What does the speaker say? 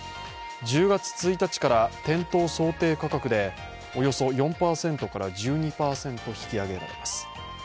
１０月１日から店頭想定価格でおよそ４％から１２％引き上げられます。